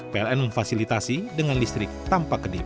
pln memfasilitasi dengan listrik tanpa kedip